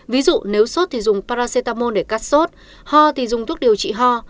ví dụ nếu sốt thì dùng paracetamol để cắt sốt ho thì dùng thuốc điều trị ho